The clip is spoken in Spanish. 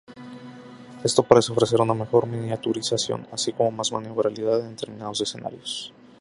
Esto parece ofrecer una mejor miniaturización, así como más maniobrabilidad en determinados escenarios.